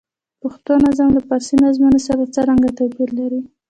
پښتو نظم له فارسي نظمونو سره څرګند توپیر لري.